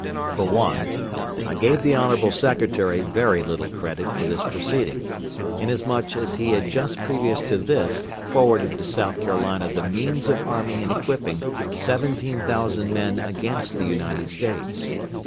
For one, I gave the honorable secretary very little credit for this proceeding, inasmuch as he had just previous to this forwarded to South Carolina the means of arming and equipping seventeen thousand men against the United States.